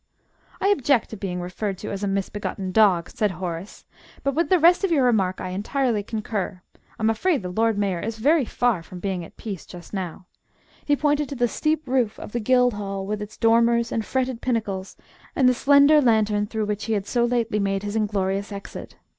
"I object to being referred to as a misbegotten dog," said Horace, "but with the rest of your remark I entirely concur. I'm afraid the Lord Mayor is very far from being at peace just now." He pointed to the steep roof of the Guildhall, with its dormers and fretted pinnacles, and the slender lantern through which he had so lately made his inglorious exit.